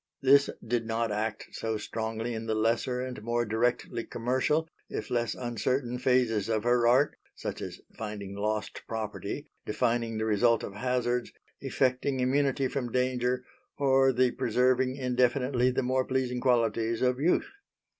This did not act so strongly in the lesser and more directly commercial, if less uncertain, phases of her art, such as finding lost property, divining the result of hazards, effecting immunity from danger, or the preserving indefinitely the more pleasing qualities of youth.